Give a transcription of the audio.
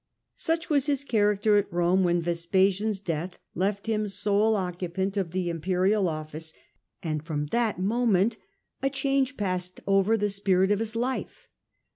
Such was his character at Rome when Vespasian's death left him sole occupant of the imperial office, and The change from that moment a change passed over the spirit of his life.